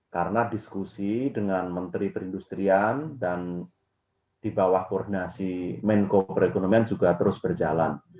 karena diskusi dengan menteri perindustrian dan di bawah koordinasi menko perekonomian juga terus berjalan